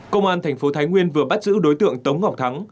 công an thành phố thái nguyên vừa bắt giữ đối tượng tống ngọc thắng